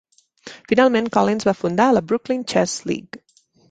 Finalment Collins va fundar la Brooklyn Chess League.